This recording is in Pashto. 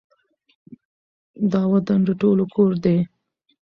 دا وطــن د ټولو کـــــــــــور دی